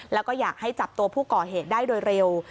แล้วก็อยากให้จับตัวผู้ก่อเหตุได้โดยเร็ว